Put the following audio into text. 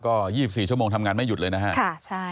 ก็๒๔ชั่วโมงทำงานไม่หยุดเลยนะครับ